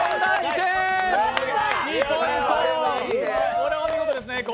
これはお見事ですね。